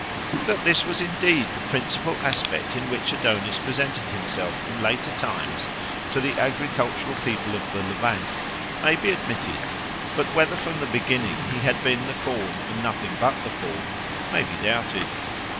That this was indeed the principal aspect in which Adonis presented himself in later times to the agricultural peoples of the Levant, may be admitted; but whether from the beginning he had been the corn and nothing but the corn, may be doubted.